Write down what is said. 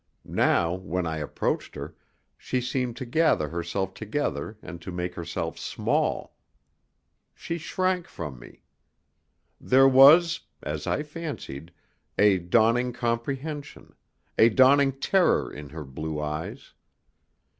Now, when I approached her, she seemed to gather herself together and to make herself small. She shrank from me. There was as I fancied a dawning comprehension, a dawning terror in her blue eyes.